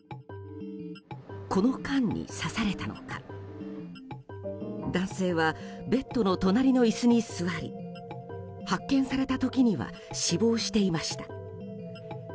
この間に刺されたのか男性はベッドの隣の椅子に座り発見された時には死亡していました。